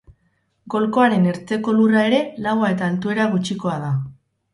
Golkoaren ertzeko lurra ere laua eta altuera gutxikoa da.